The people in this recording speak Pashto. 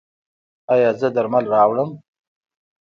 ایا زه درمل راوړم؟